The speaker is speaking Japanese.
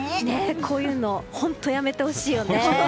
こういうの本当にやめてほしいよね。